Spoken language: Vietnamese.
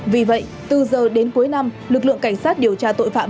vì vậy từ giờ đến cuối năm lực lượng cảnh sát điều tra tội phạm